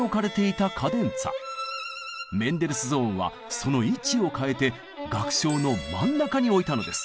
メンデルスゾーンはその位置を変えて楽章の真ん中に置いたのです。